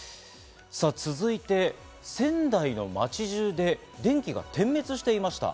続いて、仙台の街中で電気が点滅していました。